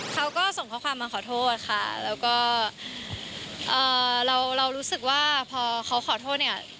เขาก็ส่งข้อความมาขอโทษค่ะแล้วก็เอ่อเราเรารู้สึกว่าพอเขาขอโทษเนี่ย